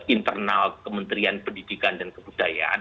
internal kementerian pendidikan dan kebudayaan